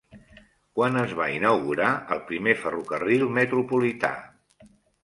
Quan es va inaugurar el primer ferrocarril metropolità?